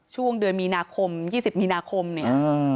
ช่วงเดือนมีนาคม๒๐มีนาคมเนี่ย